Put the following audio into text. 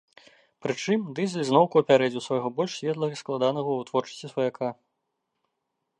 Прычым, дызель зноўку апярэдзіў свайго больш светлага і складанага ў вытворчасці сваяка.